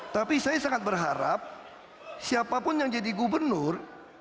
tapi saya sangat berharap siapapun yang jadi gubernur